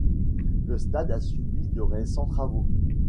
Le stade a subi de récents travaux.